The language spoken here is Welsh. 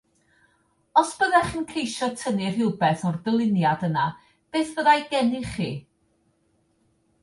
Os byddech yn ceisio tynnu rhywbeth o'r dyluniad yna beth fyddai gennych chi?